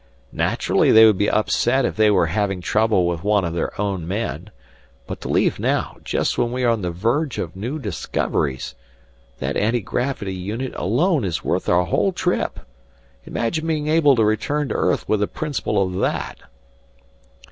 "Naturally they would be upset if they were having trouble with one of their own men. But to leave now, just when we are on the verge of new discoveries That anti gravity unit alone is worth our whole trip! Imagine being able to return to earth with the principle of that!"